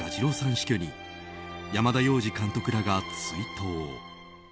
死去に山田洋次監督らが追悼。